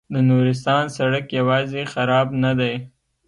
د نورستان سړک یوازې خراب نه دی.